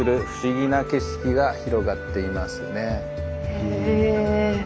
へえ。